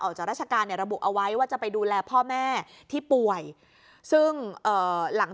ออกจากราชการเนี่ยระบุเอาไว้ว่าจะไปดูแลพ่อแม่ที่ป่วยซึ่งเอ่อหลัง